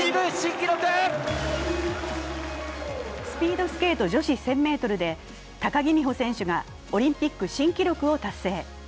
スピードスケート女子１０００ｍで高木美帆選手がオリンピック新記録を達成。